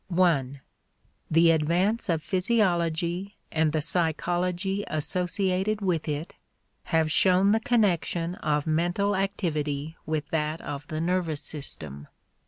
(i) The advance of physiology and the psychology associated with it have shown the connection of mental activity with that of the nervous system.